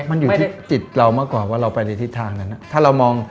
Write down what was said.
มันอยู่ที่ติดเรากว่าเราไปที่ทางนั้นน่ะ